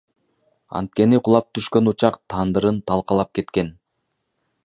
Анткени кулап түшкөн учак тандырын талкалап кеткен.